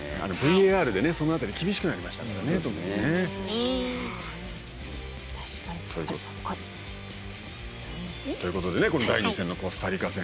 ＶＡＲでそのあたり厳しくなりましたからね。ということで第２戦のコスタリカ戦